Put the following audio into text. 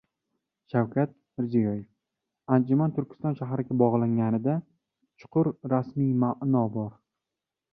Shavkat Mirziyoev: “Anjuman Turkiston shahriga bog‘langanida chuqur ramziy ma’no bor...”